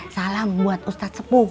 salam buat ustadzepu